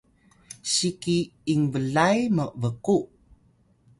siki inblay mbkuw